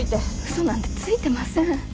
嘘なんてついてません。